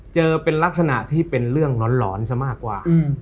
เจอเป็นลักษณะที่เป็นเรื่องหลอนซะมากกว่า